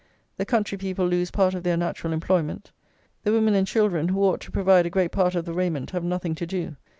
The country people lose part of their natural employment. The women and children, who ought to provide a great part of the raiment, have nothing to do.